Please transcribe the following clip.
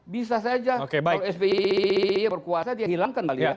bisa saja kalau sby berkuasa dia hilangkan kalimat